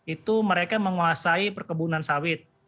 itu mereka menguasai perkebunan sawit